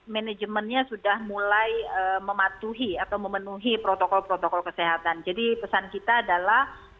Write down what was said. manajemennya sudah mulai mematuhi atau memenuhi protokol protokol kesehatan jadi pesan kita adalah